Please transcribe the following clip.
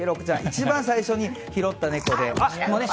一番最初に拾った猫です。